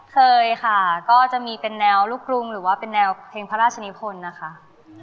เคยค่ะก็จะมีเป็นแนวลูกกรุงหรือว่าเป็นแนวเพลงพระราชนิพลนะคะ